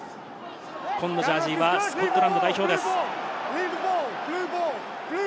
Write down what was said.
紺のジャージーはスコットランド代表です。